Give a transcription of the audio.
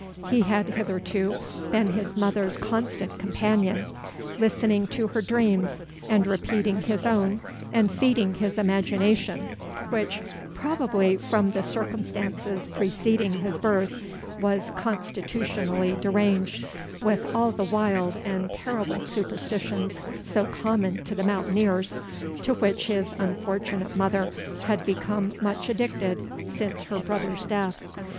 He had hitherto been his mother's constant companion, listening to her dreams, and repeating his own, and feeding his imagination, which, probably from the circumstances preceding his birth, was constitutionally deranged, with all the wild and terrible superstitions so common to the mountaineers, to which his unfortunate mother had become much addicted since her brother's death.